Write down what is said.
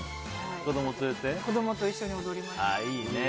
子供と一緒に踊りました。